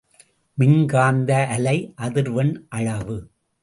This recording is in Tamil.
மின்காந்த அலை அதிர் வெண் அளவு.